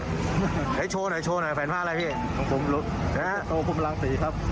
เดี๋ยวให้โชว์หน่อยให้โชว์หน่อยแฝนผ้าอะไรพี่ผมโหผมรังสีครับ